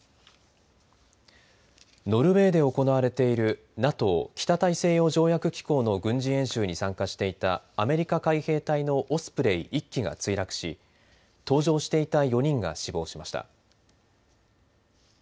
ノルウェーで行われているＮＡＴＯ＝北大西洋条約機構の軍事演習に参加していたアメリカ海兵隊のオスプレイ１機が墜落し搭乗していた４人が死亡しました。